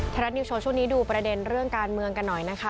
รัฐนิวโชว์ช่วงนี้ดูประเด็นเรื่องการเมืองกันหน่อยนะคะ